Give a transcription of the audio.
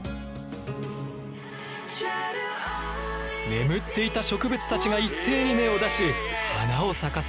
眠っていた植物たちが一斉に芽を出し花を咲かせる。